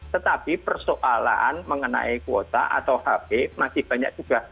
tetapi persoalan mengenai kuota atau hp masih banyak juga